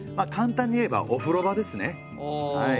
簡単に言えば「お風呂場」ですね。